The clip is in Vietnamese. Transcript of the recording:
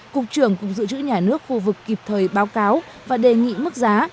cục trưởng cục dự trữ nhà nước khu vực kịp thời báo cáo và đề nghị mức giá